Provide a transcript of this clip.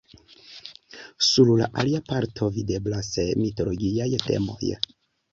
Sur la alia parto videblas mitologiaj temoj.